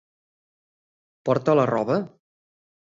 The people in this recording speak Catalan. Porta la roba?